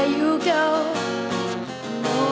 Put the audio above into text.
ที่พอจับกีต้าร์ปุ๊บ